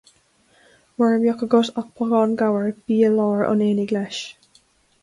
Mura mbeadh agat ach pocán gabhair bí i lár an aonaigh leis.